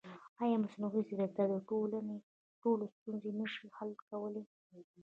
ایا مصنوعي ځیرکتیا د ټولنې ټولې ستونزې نه شي حل کولی؟